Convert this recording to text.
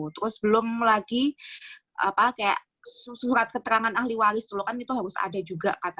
terus belum lagi surat keterangan ahli waris itu harus ada juga